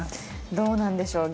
どうなんでしょう。